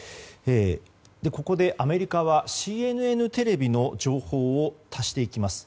ここでアメリカのＣＮＮテレビの情報を足していきます。